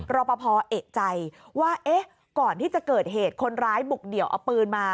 รอปภเอกใจว่าเอ๊ะก่อนที่จะเกิดเหตุคนร้ายบุกเดี่ยวเอาปืนมา